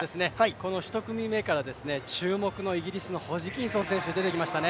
この１組目から、注目のイギリスのホジキンソン選手出てきましたね。